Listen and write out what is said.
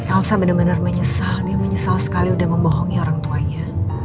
elsa benar benar menyesal dia menyesal sekali udah membohongi orang tuanya